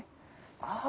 ああ！